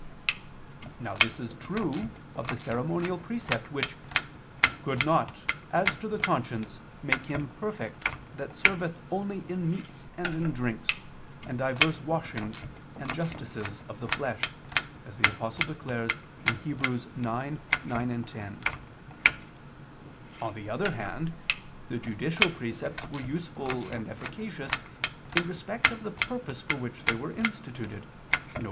Now this is true of the ceremonial precept, which "could [Vulg.: 'can'] not, as to the conscience, make him perfect that serveth only in meats and in drinks, and divers washings and justices of the flesh," as the Apostle declares (Heb. 9:9, 10). On the other hand, the judicial precepts were useful and efficacious in respect of the purpose for which they were instituted, viz.